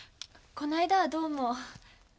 この間はどうも。